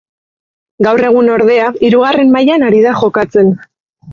Gaur egun ordea hirugarren mailan ari da jokatzen.